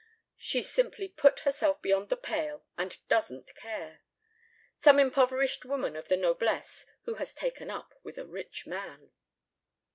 She's simply put herself beyond the pale and doesn't care. Some impoverished woman of the noblesse who has taken up with a rich man.